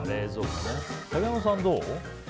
竹山さん、どう？